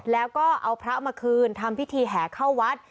แล้วก็เอาพระมาคืนทำพิธีแห่เข้าวัด